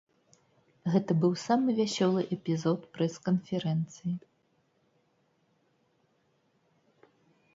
Гэта быў самы вясёлы эпізод прэс-канферэнцыі.